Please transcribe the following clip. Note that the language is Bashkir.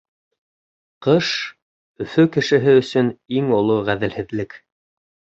Ҡыш — Өфө кешеһе өсөн иң оло ғәҙелһеҙлек.